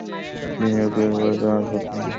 বিনিয়োগকারীরা বলেছে তারা আর লস সহ্য করতে পারবে না।